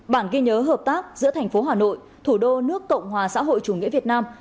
hai mươi một bản ghi nhớ hợp tác giữa thành phố hà nội thủ đô nước cộng hòa xã hội chủ nghĩa việt nam